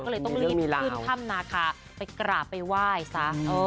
ก็เลยต้องรีบขึ้นถ้ำนาคาไปกราบไปไหว้ซะ